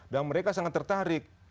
dan mereka sangat tertarik